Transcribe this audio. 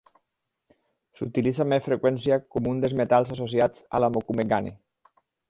S'utilitza amb més freqüència com un dels metalls associats a la mokume-gane.